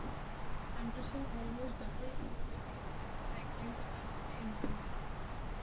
Anderson almost doubled the city's recycling capacity in one year.